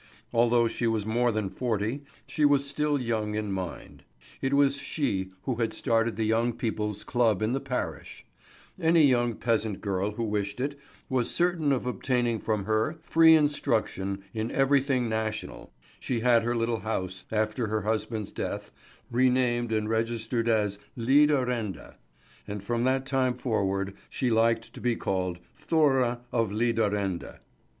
Although she was more than forty, she was still young in mind; it was she who had started the young people's club in the parish. Any young peasant girl who wished it, was certain of obtaining from her free instruction in sewing and weaving. She had a little boy called Gunnar. Being a sincere admirer of everything national, she had her little house, after her husband's death, renamed and registered as "Lidarende"; and from that time forward she liked to be called Thora of Lidarende.